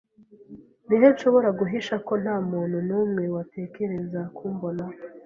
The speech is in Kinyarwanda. Ni he nshobora guhisha ko ntamuntu numwe watekereza kumbona?